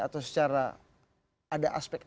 atau secara ada aspek